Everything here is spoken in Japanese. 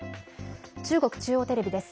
中国中央テレビです。